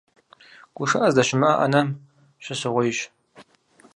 ГушыӀэ здэщымыӀэ Ӏэнэм щысыгъуейщ.